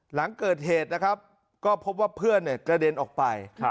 หลังเกิดเหตุนะครับก็พบว่าเพื่อนกระเด็นออกไป